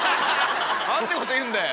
何てこと言うんだよ！